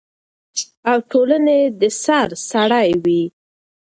او ټولنې د سر سړی وي،